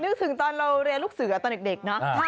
นึกถึงตอนเราเรียนลูกเสือตอนเด็ก